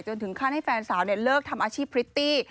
ถึงขั้นให้แฟนสาวเลิกทำอาชีพพริตตี้